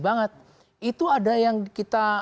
banget itu ada yang kita